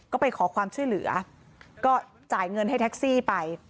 ก็ไปขอความช่วยเหลือก็จ่ายเงินให้แท็กซี่ไป